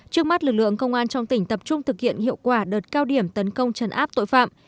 trước mắt lực lượng công an trong tỉnh tập trung thực hiện hiệu quả đợt cao điểm tấn công chấn áp tội phạm